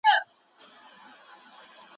ونې د سیلاب مخه نیسي.